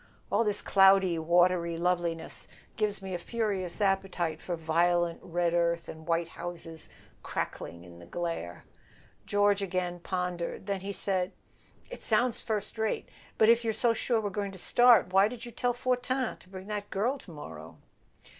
All this cloudy watery loveliness gives me a furious appetite for vio¬ lent red earth and white houses crackling in the glare." George again pondered; then he said: "It sounds first rate. But if you're so sure we're going to start why did you tell Fortin to bring that girl to morrow?"